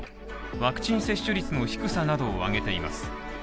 ワクチン接種率の低さなどを挙げています。